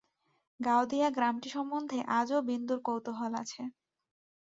গাওদিয়া গ্রামটি সম্বন্ধে আজও বিন্দুর কৌতূহল আছে।